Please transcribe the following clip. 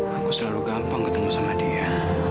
aku selalu gampang ketemu sama dia